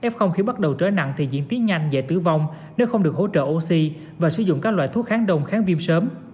f khí bắt đầu trở nặng thì diễn tiến nhanh dễ tử vong nếu không được hỗ trợ oxy và sử dụng các loại thuốc kháng đông kháng viêm sớm